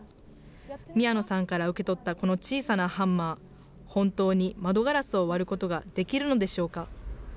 宮野さんから受け取ったこの小さなハンマー、本当に窓ガラスを割ることができるのでしょうか。